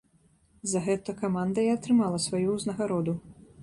За гэта каманда і атрымала сваю ўзнагароду.